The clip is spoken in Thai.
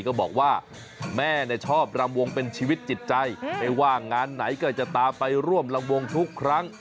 ก็บอกว่าแม่ชอบรำวงเป็นชีวิตจิตใจไม่ว่างานไหนก็จะตามไปร่วมลำวงทุกครั้ง